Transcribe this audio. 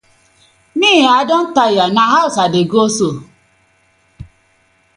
Mi ma, I don tire, na hawz I dey go so ooo.